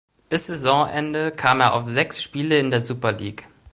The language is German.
Bis Saisonende kam er auf sechs Spiele in der Super League.